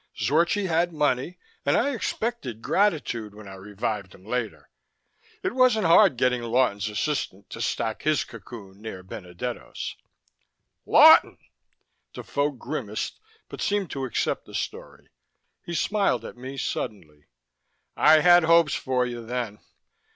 Zorchi had money, and I expected gratitude when I revived him later. It wasn't hard getting Lawton's assistant to stack his cocoon near Benedetto's." "Lawton!" Defoe grimaced, but seemed to accept the story. He smiled at me suddenly. "I had hopes for you, then.